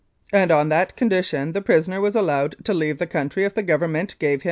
And on that condition the prisoner was allowed to leave the country if the Government gave him the $35,000?